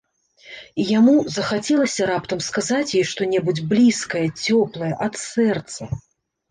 І яму захацелася раптам сказаць ёй што-небудзь блізкае, цёплае, ад сэрца.